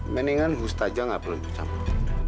mendingan bustaja nggak perlu dicampur